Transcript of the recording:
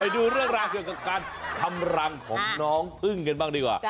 ดูเรื่องราวเกี่ยวกับการทำรังของน้องพึ่งกันบ้างดีกว่า